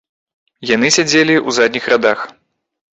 Яны сядзелі ў задніх радах.